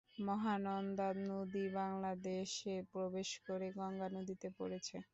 মহানন্দা নদী বাংলাদেশে প্রবেশ করে গঙ্গা নদীতে পড়েছে।